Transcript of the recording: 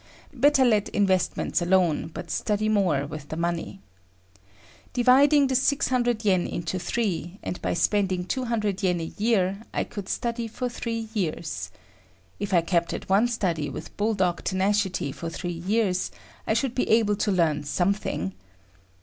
Better let investments alone, but study more with the money. Dividing the 600 yen into three, and by spending 200 yen a year, I could study for three years. If I kept at one study with bull dog tenacity for three years, I should be able to learn something.